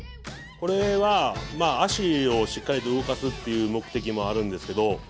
これは脚をしっかりと動かすっていう目的もあるんですけど。